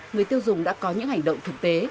người tiêu dùng đã có những hành động thực tế